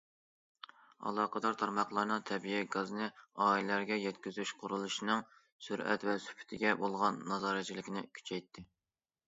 ئالاقىدار تارماقلارنىڭ تەبىئىي گازنى ئائىلىلەرگە يەتكۈزۈش قۇرۇلۇشىنىڭ سۈرئەت ۋە سۈپىتىگە بولغان نازارەتچىلىكىنى كۈچەيتتى.